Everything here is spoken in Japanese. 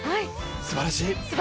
すばらしい！